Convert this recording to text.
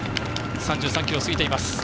３３ｋｍ過ぎています。